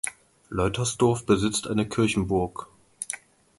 Leutersdorf besitzt eine Kirchenburg.